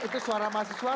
itu suara mahasiswa